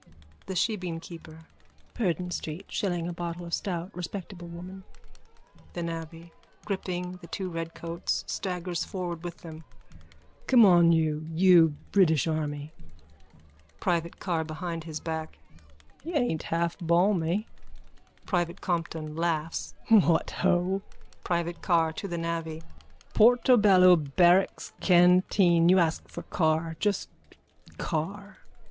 THE SHEBEENKEEPER: Purdon street. Shilling a bottle of stout. Respectable woman. THE NAVVY: (Gripping the two redcoats, staggers forward with them.) Come on, you British army! PRIVATE CARR: (Behind his back.) He aint half balmy. PRIVATE COMPTON: What ho! PRIVATE CARR: (To the navvy.) Portobello barracks canteen. You ask for Carr. Just Carr.